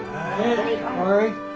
はい。